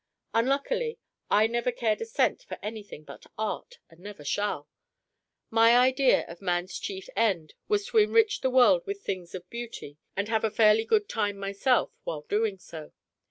Unluckily, I never cared a cent for anything but art, and never shall. My idea of man's chief end was to enrich the world with things of beauty, and have a fairly good time myself while doing so.